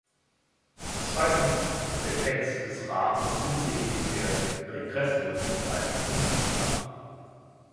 Zweitens ist der Text des Rates hinsichtlich der Regreßmöglichkeiten unklar.